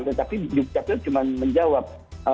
tetapi bukcapil cuma menjawab